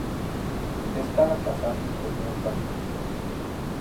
Estaba casado y tenía cuatro hijos.